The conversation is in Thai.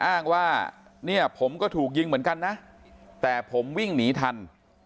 อ้างว่าเนี่ยผมก็ถูกยิงเหมือนกันนะแต่ผมวิ่งหนีทัน